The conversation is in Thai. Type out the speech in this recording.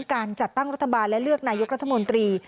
การจัดตั้งรัฐบาลและเลือกนายกรัฐมนตรี